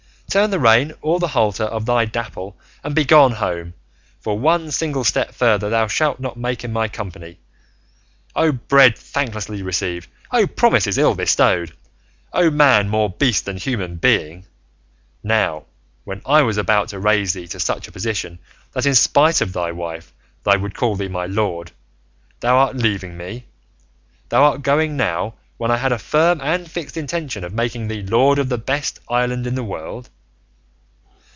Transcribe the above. Turn the rein, or the halter, of thy Dapple, and begone home; for one single step further thou shalt not make in my company. O bread thanklessly received! O promises ill bestowed! O man more beast than human being! Now, when I was about to raise thee to such a position, that, in spite of thy wife, they would call thee 'my lord,' thou art leaving me? Thou art going now when I had a firm and fixed intention of making thee lord of the best island in the world?